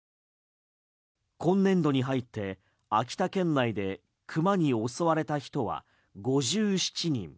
今年度に入って秋田県内でクマに襲われた人は５７人。